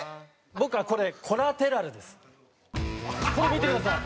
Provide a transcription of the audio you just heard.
僕はこれ『コラテラル』です。これ見てください！